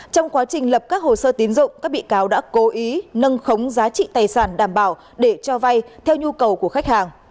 trong quá trình lập các hồ sơ tiến dụng các bị cáo đã cố ý nâng khống giá trị tài sản đảm bảo để cho vay theo nhu cầu của khách hàng